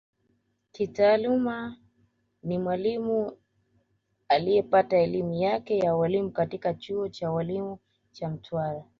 Kitaaluma ni Mwalimu liyepata elimu yake ya Ualimu katika chuo cha ualimu cha Mtwara